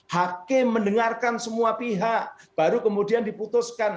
hakim mendengarkan semua pihak baru kemudian diputuskan